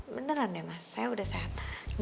beneran ya mas saya udah sehat